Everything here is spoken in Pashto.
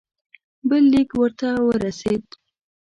بل لیک ورته ورسېد.